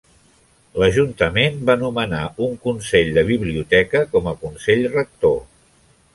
L'Ajuntament va nomenar un Consell de Biblioteca com a consell rector.